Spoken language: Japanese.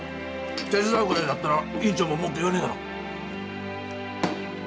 手伝うくらいだったら院長も文句言わねえだろ